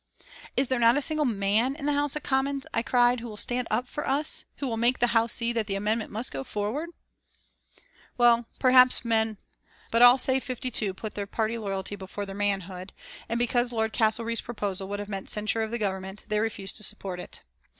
"Is there not a single man in the House of Commons," I cried, "one who will stand up for us, who will make the House see that the amendment must go forward?" Well, perhaps there were men there, but all save fifty two put their party loyalty before their manhood, and, because Lord Castlereagh's proposal would have meant censure of the Government, they refused to support it.